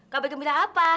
kabar gembira apa